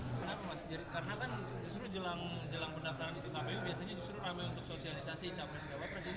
karena kan justru jelang pendaftaran itu kpu biasanya justru ramai untuk sosialisasi capres jawa presiden